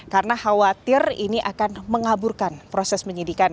karena khawatir ini akan mengaburkan proses menyidikan